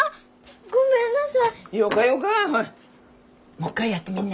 もっかいやってみんね。